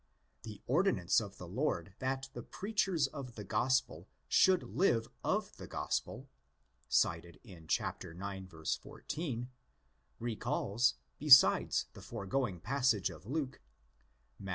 The ordinance of the Lord that the preachers of the Gospel should live of the Gospel, cited in ix. 14, recalls, besides the foregoing passage of Luke, Matt.